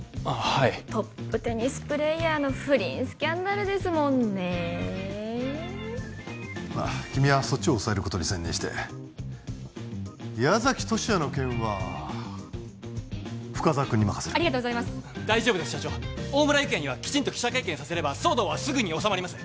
はいトップテニスプレーヤーの不倫スキャンダルですもんね君はそっちをおさえることに専念して矢崎十志也の件は深沢くんに任せるありがとうございます大丈夫です社長大村幸也にはきちんと記者会見させれば騒動はすぐに収まります